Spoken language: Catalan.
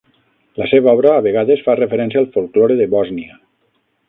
La seva obra a vegades fa referència al folklore de Bòsnia.